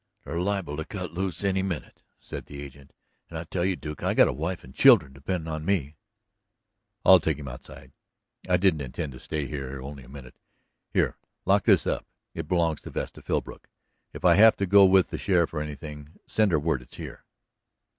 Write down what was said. "They're liable to cut loose any minute," said the agent, "and I tell you, Duke, I've got a wife and children dependin' on me!" "I'll take him outside. I didn't intend to stay here only a minute. Here, lock this up. It belongs to Vesta Philbrook. If I have to go with the sheriff, or anything, send her word it's here."